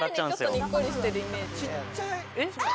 常ににっこりしてるイメージえっ？